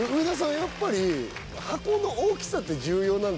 やっぱり。